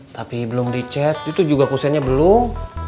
tapi belum dicek itu juga kusennya belum